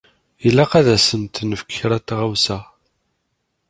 Ilaq ad asent-nefk kra n tɣawsa.